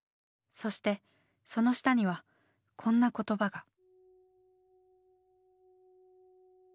そしてその下にはこんな言葉が。